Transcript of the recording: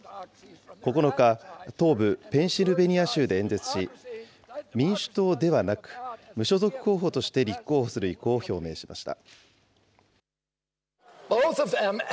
９日、東部ペンシルベニア州で演説し、民主党ではなく、無所属候補として立候補する意向を表明しました。